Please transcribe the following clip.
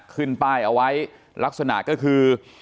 ขึ้นป้ายเอาไว้ลักษณะก็คือ